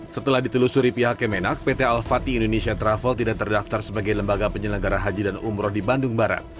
setelah ditelusuri pihak kemenak pt al fatih indonesia travel tidak terdaftar sebagai lembaga penyelenggara haji dan umroh di bandung barat